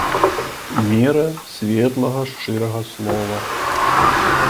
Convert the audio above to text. Мера светлага шчырага слова.